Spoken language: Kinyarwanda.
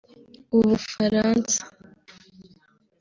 Ubufaransa